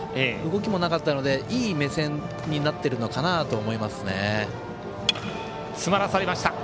動きもなかったのでいい目線になってるのかなと思います。